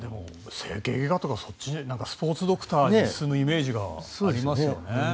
整形外科医とかそっちスポーツドクターに進むイメージがありますよね。